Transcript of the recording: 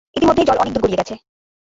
ইতোমধ্যেই জল অনেকদূর গড়িয়ে গেছে!